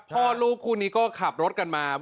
พ่อลูกคู่นี้ก็ขับรถกันมา